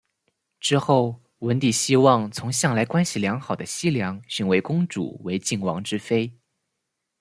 之后文帝希望从向来关系良好的西梁选位公主为晋王之妃。